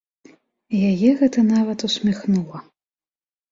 Яе гэта нават усміхнула.